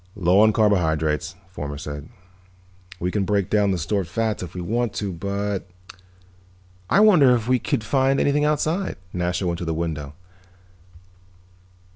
"Low on carbohydrates," Fomar said. "We can break down the stored fats if we want to, but " "I wonder if we could find anything outside." Nasha went to the window.